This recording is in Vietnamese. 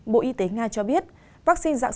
bộ y tế nga cho biết vaccine dạng